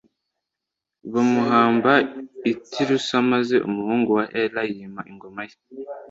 bamuhamba i Tirusa maze umuhungu we Ela yima ingoma ye